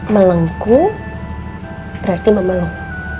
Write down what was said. melengkung berarti memeluk